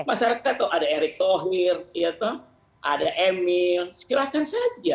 masyarakat ada erick thohmir ada emil silakan saja